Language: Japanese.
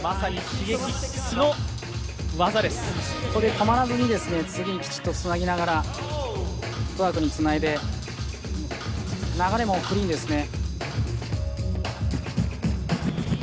これ、止まらずに次にきちっとつなぎながらフットワークにつないで流れもクリーンですね。